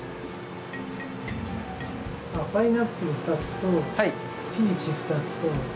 パイナップル２つとピーチ２つと。